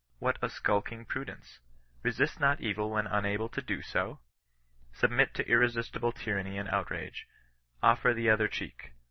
What a skulking pru dence I Besist not evil when unable to do so ! Submit to irresistible tyranny and outrage. Offer the other cheek.